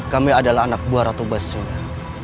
kami adalah anak buah ratu baswedan